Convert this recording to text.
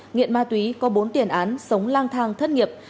nghiện ma túy có bốn tiền án sống lang thang thất nghiệp